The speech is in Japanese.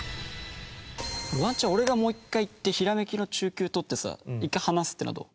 ワンチャン俺がもう１回いってひらめきの中級取ってさ１回離すってのはどう？